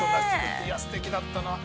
すてきだったな。